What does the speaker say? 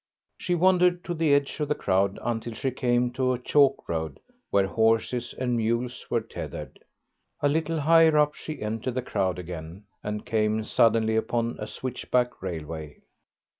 She wandered to the edge of the crowd until she came to a chalk road where horses and mules were tethered. A little higher up she entered the crowd again, and came suddenly upon a switchback railway.